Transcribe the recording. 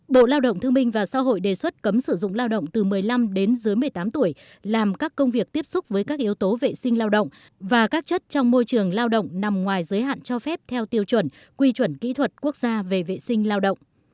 bộ lao động thương minh và xã hội đề xuất cấm sử dụng lao động từ một mươi năm đến dưới một mươi tám tuổi làm các công việc tiếp xúc với các yếu tố vệ sinh lao động và các chất trong môi trường lao động nằm ngoài giới hạn cho phép theo tiêu chuẩn quy chuẩn kỹ thuật quốc gia về vệ sinh lao động